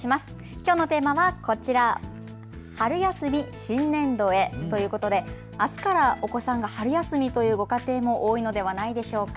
きょうのテーマはこちら春休み・新年度へということであすからお子さんが春休みというご家庭も多いのではないでしょうか。